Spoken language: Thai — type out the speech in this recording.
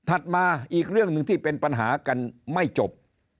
มาอีกเรื่องหนึ่งที่เป็นปัญหากันไม่จบ